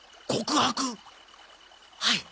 はい。